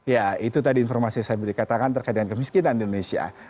ya itu tadi informasi yang saya beri katakan terkait dengan kemiskinan di indonesia